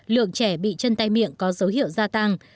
lượng trẻ bị chân tay miệng có dấu hiệu gia tăng